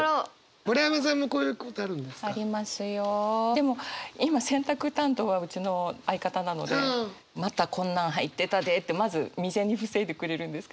でも今洗濯担当はうちの相方なのでまたこんなん入ってたでってまず未然に防いでくれるんですけどね。